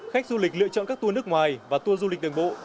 khách du lịch lựa chọn các tour nước ngoài và tour du lịch đường bộ